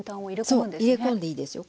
そう入れ込んでいいですよ。